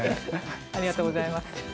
ありがとうございます。